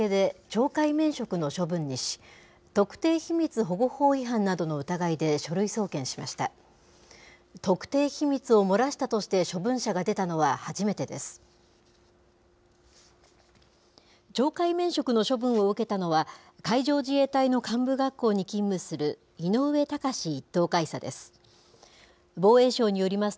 懲戒免職の処分を受けたのは、海上自衛隊の幹部学校に勤務する井上高志１等海佐です。